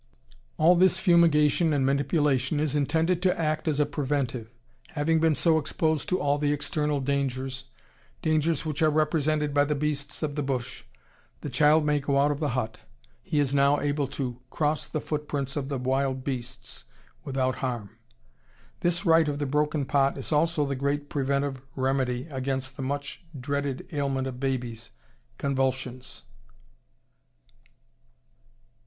All this fumigation and manipulation is intended to act as a preventive. Having been so exposed to all the external dangers, dangers which are represented by the beasts of the bush, the child may go out of the hut. He is now able "to cross the foot prints of wild beasts" without harm.... This rite of the broken pot is also the great preventive remedy against the much dreaded ailment of babies, convulsions.